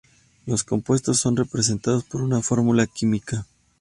Los compuestos son representados por una fórmula química.